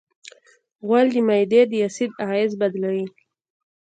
غول د معدې د اسید اغېز بدلوي.